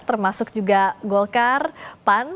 termasuk juga golkar pan